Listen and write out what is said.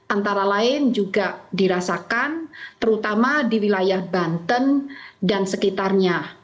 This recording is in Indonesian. antara lain juga dirasakan terutama di wilayah banten dan sekitarnya